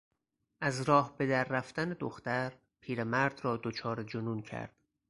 از راه به در رفتن دختر، پیرمرد را دچار جنون کرد.